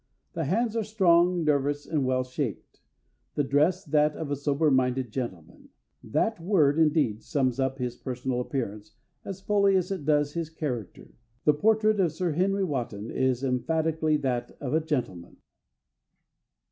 The hands are strong, nervous, and well shaped; the dress that of a sober minded gentleman. That word indeed sums up his personal appearance as fully as it does his character: the portrait of Sir Henry Wotton is emphatically that of a gentleman."